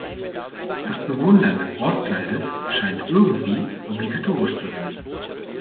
Das Bewundern des Brautkleids scheint irgendwie obligatorisch zu sein.